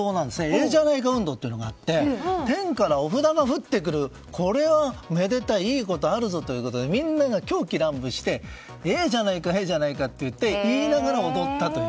ええじゃないか運動というのがあって天からお札が降ってくるこれはめでたいいいことあるぞということでみんなが狂喜乱舞してええじゃないかええじゃないかと言いながら踊ったと。